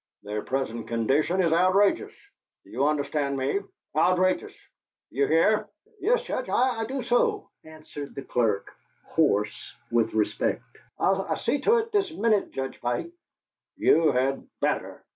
Their present condition is outrageous. Do you understand me? Outrageous! Do you hear?" "Yes, Judge, I do so," answered the clerk, hoarse with respect. "I'll see to it this minute, Judge Pike." "You had better."